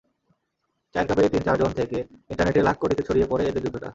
চায়ের কাপে তিন চারজন থেকে ইন্টারনেটে লাখ-কোটিতে ছড়িয়ে পড়ে এঁদের যুদ্ধটা।